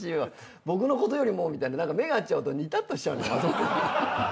僕のことよりもみたいな目が合っちゃうとにたっとしちゃう。